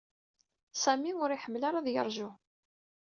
Sami ur iḥemmel ara ad yeṛju.